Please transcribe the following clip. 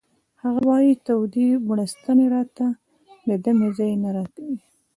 هغه وایی تودې بړستنې راته د دمې ځای نه راکوي